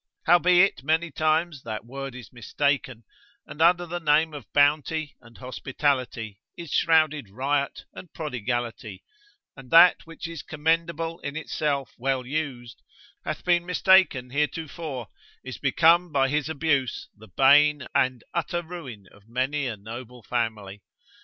Howbeit many times that word is mistaken, and under the name of bounty and hospitality, is shrouded riot and prodigality, and that which is commendable in itself well used, hath been mistaken heretofore, is become by his abuse, the bane and utter ruin of many a noble family.